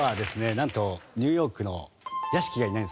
なんとニューヨークの屋敷がいないんですね。